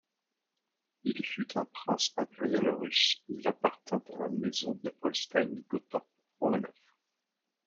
Il fut un prince impérial russe, il appartint à la Maison de Holstein-Gottorp-Romanov.